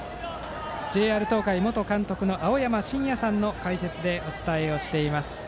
ＪＲ東海元監督の青山眞也さんの解説でお伝えしています。